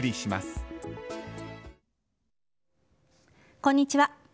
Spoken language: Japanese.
こんにちは。